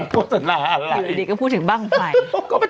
โฆษณาอะไรพันปีนี้ก็พูดถึงบ้างไฟ